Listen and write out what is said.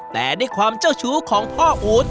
แต่ด้วยความเจ้าชู้ของพ่ออู๊ด